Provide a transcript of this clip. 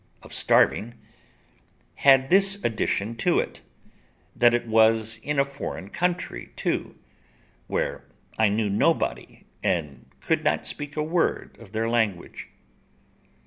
of starving, had this addition to it, that it was in a foreign country too, where I knew nobody and could not speak a word of their language.